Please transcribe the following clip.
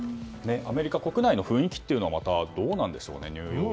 アメリカ国内の雰囲気はどうなんでしょうね。